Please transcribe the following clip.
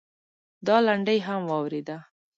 دا لنډۍ هم واورېده.